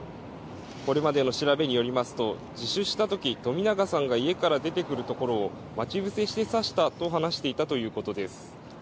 これまでの調べによりますと自首したとき冨永さんが家から出てくるところを待ち伏せして刺したと話していたということです。